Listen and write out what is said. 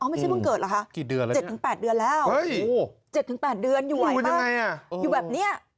ไม่ใช่เมื่อเกิดหรือคะ๗๘เดือนแล้วอยู่ไหวป่ะอยู่แบบนี้โอ้โหมันยังไง